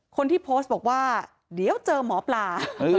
คนที่โพสต์บอกว่าเดี๋ยวเจอหมอปลา